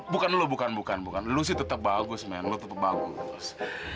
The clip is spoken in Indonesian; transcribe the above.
bukan lo bukan lo sih tetap bagus men lo tetap bagus